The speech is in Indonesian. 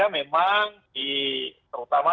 memang di terutama